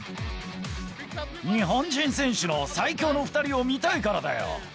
日本人選手の最強の２人を見たいからだよ。